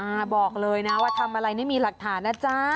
บอกเลยนะว่าทำอะไรไม่มีหลักฐานนะจ๊ะ